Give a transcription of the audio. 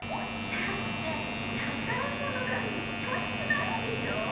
だってたからものがみつかってないんでしょ？